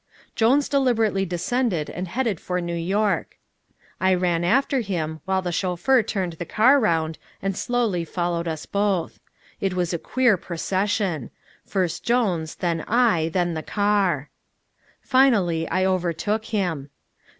Jones deliberately descended and headed for New York. I ran after him, while the chauffeur turned the car round and slowly followed us both. It was a queer procession. First Jones, then I, then the car. Finally I overtook him.